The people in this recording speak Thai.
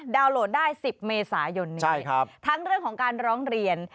โหลดได้๑๐เมษายนนี้ทั้งเรื่องของการร้องเรียน